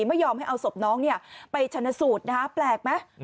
ไม่ยอมให้เอาศพน้องไปชนะสูตรนะฮะแปลกไหม